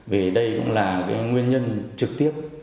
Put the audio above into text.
vì đây cũng là nguyên nhân trực tiếp